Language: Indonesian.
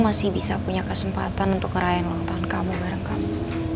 masih bisa punya kesempatan untuk ngerayain ulang tahun kamu bareng kamu